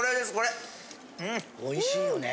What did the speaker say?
おいしいよね。